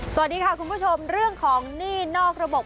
สวัสดีค่ะคุณผู้ชมเรื่องของหนี้นอกระบบ